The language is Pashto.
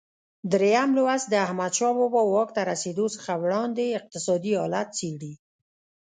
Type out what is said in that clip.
درېم لوست د احمدشاه بابا واک ته رسېدو څخه وړاندې اقتصادي حالت څېړي.